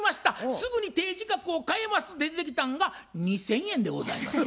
すぐに提示額を変えます」って出てきたんが２，０００円でございますよ。